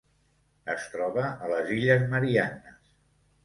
Es troba a les Illes Mariannes.